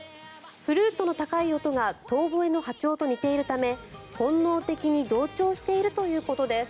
フルートの高い音が遠ぼえの波長と似ているため本能的に同調しているということです。